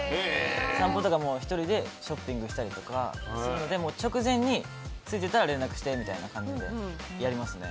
散歩とか１人でショッピングしたりするので直前に着いてたら連絡してみてってやりますね。